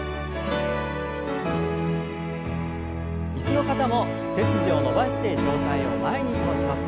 椅子の方も背筋を伸ばして上体を前に倒します。